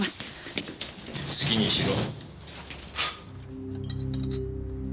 好きにしろ。